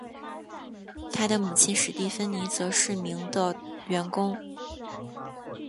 他的母亲史蒂芬妮则是名的员工。